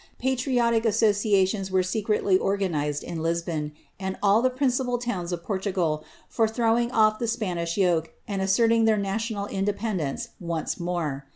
Patriotic associations were secretly organixed in !>•• bon, and all the principal towns of Portugal, for throwing ofTthe Spanish yoke and asserting their national independence once more.